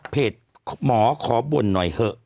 เพจหมอขอบุญหน่อยเหอะ